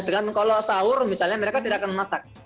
dengan kalau sahur misalnya mereka tidak akan memasak